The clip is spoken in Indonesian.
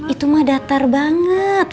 itu mah datar banget